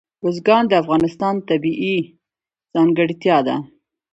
بزګان د افغانستان یوه طبیعي ځانګړتیا ده.